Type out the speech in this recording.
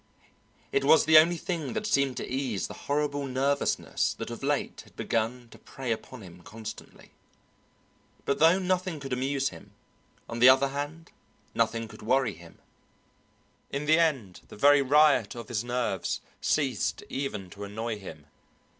It was the only thing that seemed to ease the horrible nervousness that of late had begun to prey upon him constantly. But though nothing could amuse him, on the other hand nothing could worry him; in the end the very riot of his nerves ceased even to annoy him.